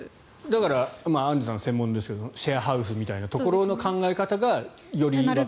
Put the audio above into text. だからアンジュさんは専門ですがシェアハウスみたいなところの考え方がより進んできていると。